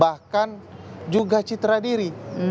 bahkan juga citra diri